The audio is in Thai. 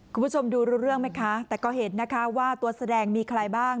คุณผู้ชมดูรู้เรื่องไหมคะแต่ก็เห็นนะคะว่าตัวแสดงมีใครบ้าง